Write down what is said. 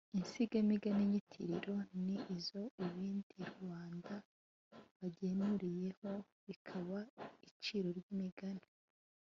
insigamigani nyitiriro: ni izo ibindi rubanda bagenuriyeho bikaba iciro ry’imigani,